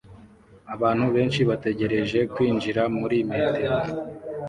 Abantu benshi bategereje kwinjira muri metero